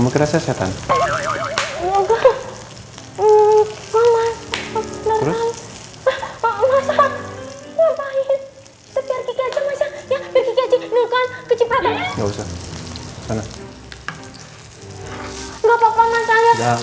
udah gak usah